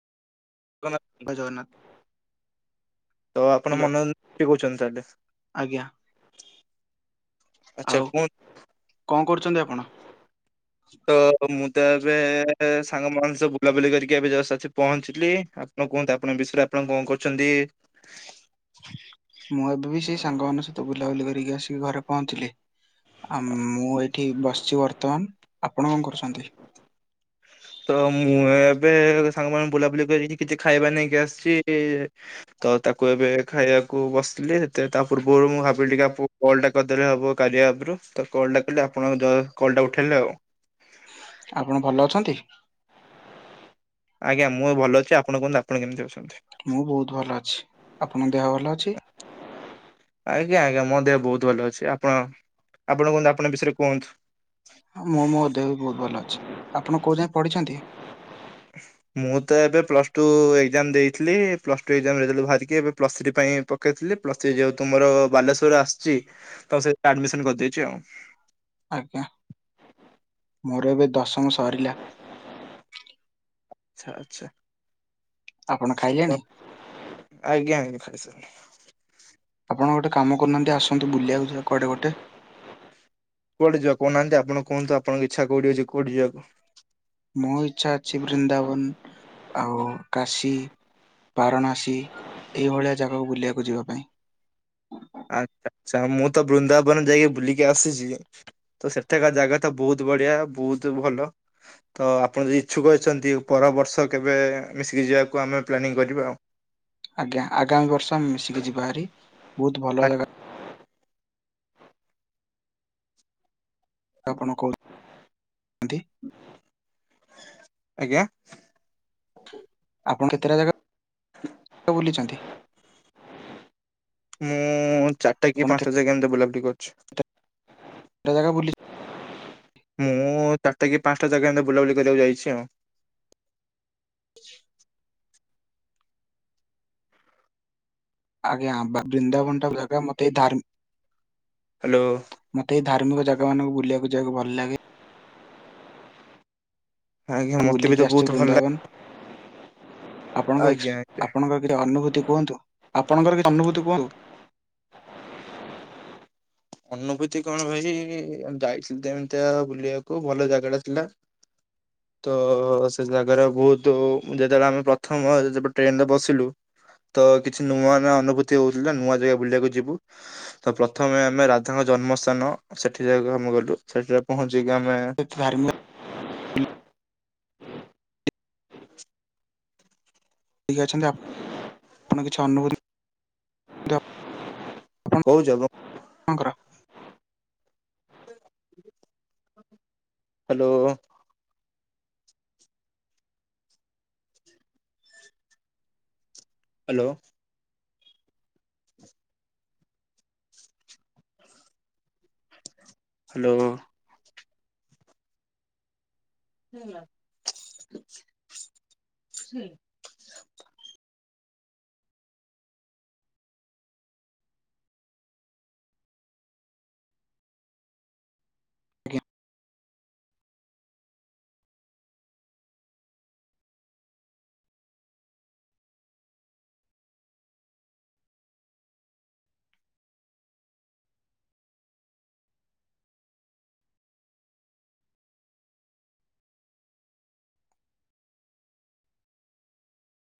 ଜଗନ୍ନାଥ ତ ଆପଣ ହ୍ୟାଲୋ ମନୋରଞ୍ଜନ ଭାଇ କହୁଛନ୍ତି ତାହେଲେ। ଆଜ୍ଞା। ଆଚ୍ଛା ଆଉ କୁହନ୍ତୁ? କଣ କରୁଛନ୍ତି ଆପଣ? ତ ମୁଁ ତ ଏବେ ସାଙ୍ଗମାନଙ୍କ ସହ ବୁଲାବୁଲି କରିକି ଏବେ ଜଷ୍ଟ ଆସି ପହଞ୍ଚିଲି। ହଁ କୁହନ୍ତୁ ଆପଣ ବିଷୟରେ ଆପଣ କଣ କରୁଛନ୍ତି? ମୁଁ ଏବେ ବି ସେଇ ସାଙ୍ଗ ମାନଙ୍କ ସହିତ ବୁଲାବୁଲି କରିକି ଆସିକି ଘରେ ପହଞ୍ଚିଲି, ଆ ମୁଁ ଏଠି ଏଇ ବସିଚି ବର୍ତ୍ତମାନ ଆପଣ କଣ କରୁଚନ୍ତି? ତ ମୁଁ ଏବେ ସାଙ୍ଗ ମାନଙ୍କୁ ବୁଲାବୁଲି କରିକି କିଛି ଖାଇବା ନେଇକି ଆସିଛି। ତ ତାକୁ ଏବେ ଖାଇବାକୁ ବସିଥିଲି ସେତ ତା ପୂର୍ବରୁ ମୁଁ ଭାବିଲି ଟିକେ କଲଟା କରିଦେଲେ ହେବ କାରିଆ ଆପରୁ ତ କଲଟା କଲେ ଆପଣଙ୍କ କଲଟା ଉଠେଇଲେ ଆଉ। ଆପଣ ଭଲ ଅଛନ୍ତି? ଆଜ୍ଞା, ମୁଁ ବି ଭଲ ଅଛି। ଆପଣ କୁହନ୍ତୁ ଆପଣ କେମିତି ଅଛନ୍ତି? ମୁଁ ବୋହୁତ ଭଲ ଅଛି। ଆପଣଙ୍କ ଦେହ ଭଲ ଅଛି? ଆଜ୍ଞା, ଆଜ୍ଞା। ମୋ ଦେହ ବୋହୁତ ଭଲ ଅଛି। ଆପଣ ଆପଣ କଣ ଆପଣଙ୍କ ବିଷୟରେ କୁହନ୍ତୁ? ହଁ ମୁଁ ମୋ ଦେହ ବି ବହୁତ ଭଲ ଅଛି। ଆପଣ କୋଉ ଯାଏ ପଢିଛନ୍ତି? ମୁଁ ତ ଏବେ ପ୍ଲସ ଟୁ ଏକ୍ଜାମ ଦେଇଥିଲି। ପ୍ଲସ ଟୁ ଏକ୍ଜାମ ରେଜଲ୍ଟ ବାହାରିକି ଏବେ ପ୍ଲସ ଥ୍ରୀ ପାଇଁ ପକେଇଥିଲି ପ୍ଲସ୍ ଥ୍ରୀ ଯେହେତୁ ମୋର ବାଲେଶ୍ଵର ଆସିଛି ତ ସେଟି ଆଡମିସନ କରିଦେଇଛି ଆଉ। ଆଜ୍ଞା ମୋର ଏବେ ଦଶମ ସରିଲା। ଆଚ୍ଛା, ଆଚ୍ଛା। ଆପଣ ତ ଖାଇଲେଣି? ଆଜ୍ଞା। ଆଜ୍ଞା ଖାଇସାରିଲିଣି। ଆପଣ ଗୋଟେ କାମ କରୁନାନ୍ତି ଆସନ୍ତୁ ବୁଲିବାକୁ ଯିବା କଆଡେ ଗୋଟେ? କୁଆଡେ଼ ଯିବା କହୁନାହାନ୍ତି ଆପଣ କୁହନ୍ତୁ ଆପଣଙ୍କ ଇଚ୍ଛା କଉଠି ଅଛି କୋଠି ଯିବାକୁ? ମୋ ଇଚ୍ଛା ଅଛି ବୃନ୍ଦାବନ ଆଉ କାଶୀ ପାରଣାସୀ, ଏଇଭଳିଆ ଜାଗାକୁ ବୁଲିବାକୁ ଯିବା ପାଇଁ। ଆଚ୍ଛା, ଆଚ୍ଛା ମୁଁ ତ ବୃନ୍ଦାବନ ଯାଇକି ବୁଲିକି ଆସିଛି। ତ ସେଠାକାର ଜାଗା ତ ବୋହୁତ ବଢିଆ ବୋହୁତ ଭଲ। ତ ଆପଣ ଯଦି ଇଚ୍ଛୁକ ଅଛନ୍ତି ପର ବର୍ଷ କେବେ ମିଶିକି ଯିବାକୁ ଆମେ ପ୍ଲାନିଂ କରିବା ଆଉ। ଆଜ୍ଞା ଆଗାମୀ ବର୍ଷ ଆମେ ମିଶିକି ଯିବାହାରି। ବୋହୁତ ଭଲ ଜାଗା ଆପଣ କହୁ ନାହାନ୍ତି। ଆଜ୍ଞା। ଆପଣ କେତେଟା ଜାଗା ବୁଲିଛନ୍ତି? ମୁଁ ଚାରିଟା କି ଆପଣ ପାଞ୍ଚଟା ଯାଗା ଏମିତି ବୁଲାବୁଲି କରିଛି। [inaudible] ବୋଲି ମୁଁ ଚାରିଟା କି ପାଞ୍ଚଟା ଜାଗା ଏମିତି ବୁଲାବୁଲି କରିବାକୁ ଯାଇଛି ଉ। ଆଜ୍ଞା ବା ବ୍ରିନ୍ଦାବନଟା ଜାଗା ମତେ ଧାର୍ମ ହାଲୋ। ମତେ ଏଇ ଧାର୍ମିକ ଜାଗା ମାନଙ୍କୁ ବୁଲିଆକୁ ଯିବାକୁ ଭଲ ଲାଗେ। ଆଜ୍ଞା ଆମେ ମତେ ବି ବୁଲିକି ତ ଆସିଛୁ ବହୁତ ଭଲ ଲାଗେ ବୃନ୍ଦାବନ। ଆପଣଙ୍କ ଏକ୍ସ ଆଜ୍ଞା ଆଜ୍ଞା। ଆପଣଙ୍କର କିଛି ଅନୁଭୂତି କୁହନ୍ତୁ ଅନୁଭୂତି କଣ ଭାଇ ଯାଇଥିଲି ଏମିତିଆ ବୁଲିବାକୁ ଭଲ ଜାଗା ଟା ଥିଲା। ତ ସେ ଜାଗାର ବହୁତୁ ଯେତେବେଳେ ଆମେ ପ୍ରଥମ ଯେ ଟ୍ରେନରେ ବସିଲୁ ତ କିଛି ନୂଆ ନୂଆ ଅନୁଭୂତି ହଉଥିଲା ନୂଆ ଜାଗା ବୁଲିଆକୁ ଯିବୁ ତ ପ୍ରଥମେ ଆ ଆମେ ରାଧାଙ୍କ ଜନ୍ମସ୍ଥାନ ସେଠି ଯାକ ଆମେ ଗଲୁ ସେଠିରେ ପହଞ୍ଚିକି ଆମେ [unintelligible] [inaudible] ଠିକ୍ ଅଛନ୍ତି ଆପ ଆପଣ କିଛି ଅନୁଭୂତି [inaudible] କୁହନ୍ତୁ କଉ ଜାଗ? [inaudible] ଆପଣଙ୍କର ଆଜ୍ଞା। ହାଲୋ। ହାଲୋ। ହାଲୋ। ହେଲୋ। [inaudible]